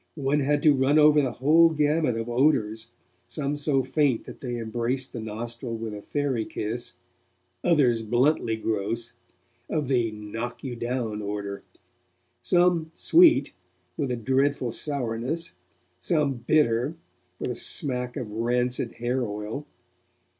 One had to run over the whole gamut of odours, some so faint that they embraced the nostril with a fairy kiss, others bluntly gross, of the 'knock you down' order; some sweet, with a dreadful sourness; some bitter, with a smack of rancid hair oil.